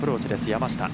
山下。